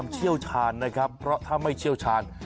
เชี่ยวชาญนะครับเพราะถ้าไม่เชี่ยวชาญ